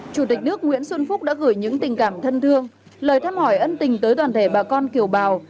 chủ tịch nước nguyễn xuân phúc đã gửi những tình cảm thân thương lời thăm hỏi ân tình tới toàn thể bà con kiều bào